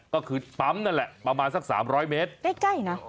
ก็คือปั๊มนั่นแหละประมาณสัก๓๐๐เมตรใกล้นะ